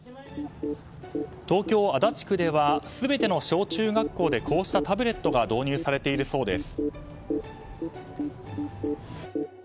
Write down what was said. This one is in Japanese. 東京・足立区では全ての小中学校でこうしたタブレットが導入されているそうです。